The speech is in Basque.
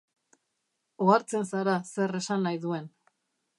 Ohartzen zara zer esan nahi duen.